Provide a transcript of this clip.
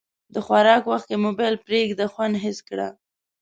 د خوراک وخت کې موبایل پرېږده، خوند حس کړه.